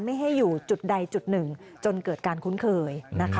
ไม่ให้อยู่จุดใดจุดหนึ่งจนเกิดการคุ้นเคยนะคะ